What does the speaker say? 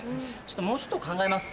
もうちょっと考えます